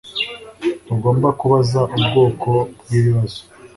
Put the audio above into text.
Ntugomba kubaza ubwoko bwibibazo